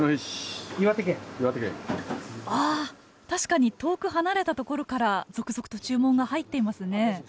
確かに遠く離れたところから続々と注文が入ってますね。